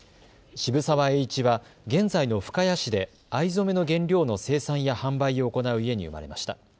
渋沢栄一は現在の深谷市で藍染めの原料の生産や販売を行う家に生まれました。